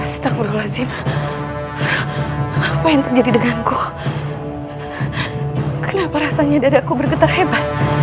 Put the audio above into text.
sampai jumpa di video selanjutnya